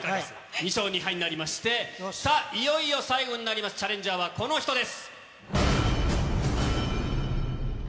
２勝２敗になりまして、さあ、いよいよ最後になります、チャレンジャーはこの人です。